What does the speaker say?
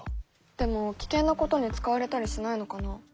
でも危険なことに使われたりしないのかな？